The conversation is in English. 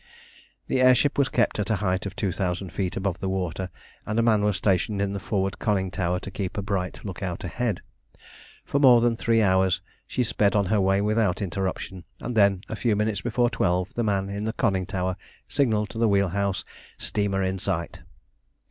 The air ship was kept at a height of two thousand feet above the water, and a man was stationed in the forward conning tower to keep a bright look out ahead. For more than three hours she sped on her way without interruption, and then, a few minutes before twelve, the man in the conning tower signalled to the wheel house "Steamer in sight."